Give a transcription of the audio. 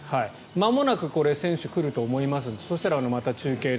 まもなく選手が来ると思いますのでそしたら、また中継で。